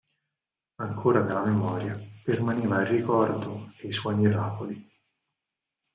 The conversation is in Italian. Ancora nella memoria permaneva il ricordo e i suoi miracoli.